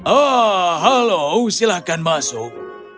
oh halo silahkan masuk